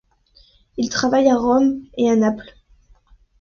Il travaille à Rome et à Naples.